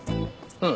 うん。